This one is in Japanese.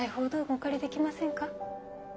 お借りできませんか？